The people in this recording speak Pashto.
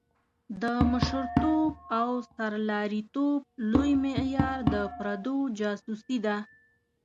د مشرتوب او سرلاري توب لوی معیار د پردو جاسوسي ده.